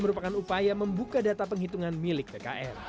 merupakan upaya membuka data penghitungan milik tkn